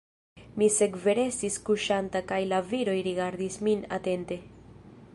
Mi sekve restis kuŝanta kaj la viroj rigardis min atente.